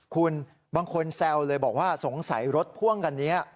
คุณบางคนแซวเลยบอกว่าสงสัยรถพ่วงคันนี้